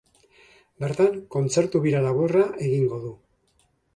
Bertan kontzertu bira laburra egingo du.